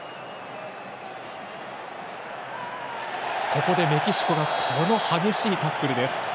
ここでメキシコがこの激しいタックルです。